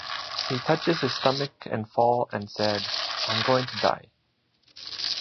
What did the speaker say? He touches his stomach and fall and said: I’m going to die